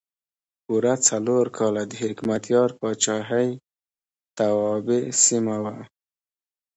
پوره څلور کاله د حکمتیار پاچاهۍ توابع سیمه وه.